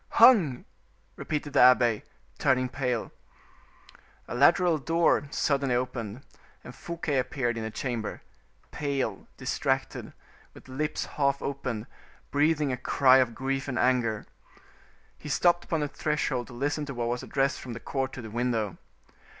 "Hung!" repeated the abbe, turning pale. A lateral door suddenly opened, and Fouquet appeared in the chamber, pale, distracted, with lips half opened, breathing a cry of grief and anger. He stopped upon the threshold to listen to what was addressed from the court to the window.